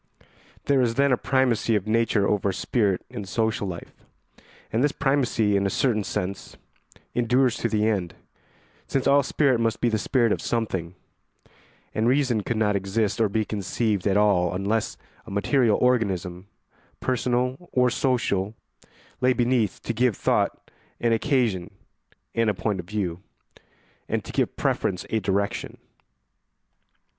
There is then a primacy of nature over spirit in social life; and this primacy, in a certain sense, endures to the end, since all spirit must be the spirit of something, and reason could not exist or be conceived at all unless a material organism, personal or social, lay beneath to give thought an occasion and a point of view, and to give preference a direction.